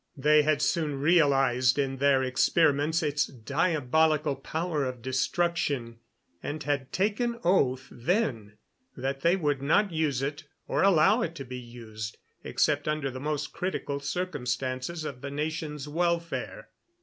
They had soon realized in their experiments its diabolical power of destruction, and had taken oath then that they would not use it, or allow it to be used, except under the most critical circumstances of the nation's welfare.